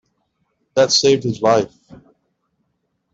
That saved his life.